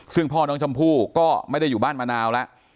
ซึ่งพ่อน้องชมพู่ก็ไม่ได้อยู่บ้านมะนาวแล้ว